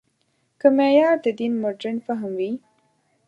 که معیار د دین مډرن فهم وي.